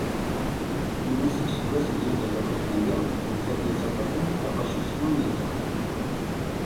Imi seg useggas n zuǧ alaf u tmanya d nettat i yettaṭṭafen taqacut n umyezwar.